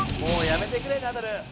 「もうやめてくれナダル。